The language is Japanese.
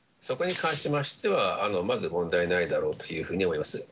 そこに関しましては、まず問題ないだろうというふうに思います。